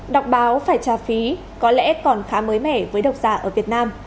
đọc báo phải trả phí có lẽ còn khá mới mẻ với độc giả ở việt nam